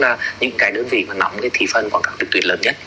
là những đơn vị nóng thị phần quảng cáo trực tuyến lớn nhất